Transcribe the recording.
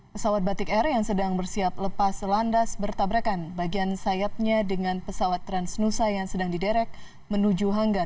pesawat batik air yang sedang bersiap lepas landas bertabrakan bagian sayapnya dengan pesawat transnusa yang sedang diderek menuju hangga